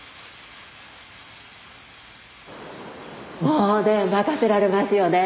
もうね任せられますよね。